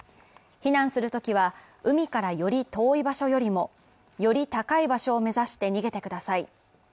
避難するときは、海からより遠い場所よりもより高い場所を目指して逃げてください。